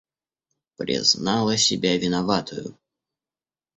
Признала себя виноватою.